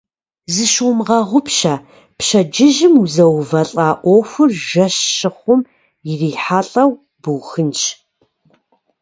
Зыщумыгъэгъупщэ: пщэдджыжьым узэувалӀэ Ӏуэхур жэщ щыхъум ирихьэлӀэу бухынщ.